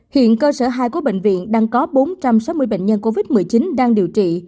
hiện cơ sở hai của bệnh viện đang có bốn trăm sáu mươi bệnh nhân covid một mươi chín đang điều trị